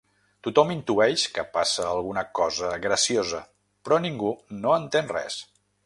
Tothom intueix que passa alguna cosa graciosa, però ningú no entén res.